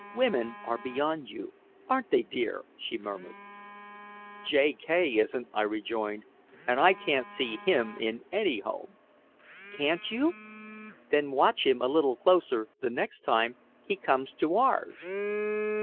"Women are beyond you aren't they, dear?" she murmured. "J. K. isn't," I rejoined. "And I can't see him in any home!" "Can't you! Then watch him a little closer the next time he comes to ours."